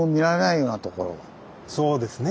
そうですね。